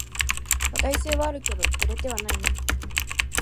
話題性はあるけど売れてはないな